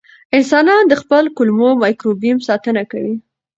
انسانان د خپل کولمو مایکروبیوم ساتنه کوي.